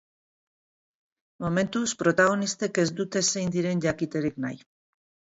Momentuz, protagonistek ez dute zein diren jakiterik nahi.